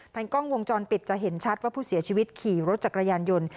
กล้องวงจรปิดจะเห็นชัดว่าผู้เสียชีวิตขี่รถจักรยานยนต์